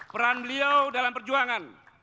peran beliau dalam perjuangan